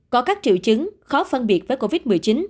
có các triệu chứng khó phân biệt với covid một mươi chín